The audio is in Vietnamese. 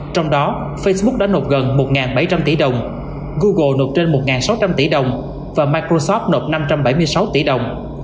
trong đó facebook đã nộp gần một bảy trăm linh tỷ đồng google nộp trên một sáu trăm linh tỷ đồng và microsoft nộp năm trăm bảy mươi sáu tỷ đồng